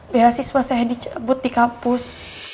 beasiswa saya dicabut di kampus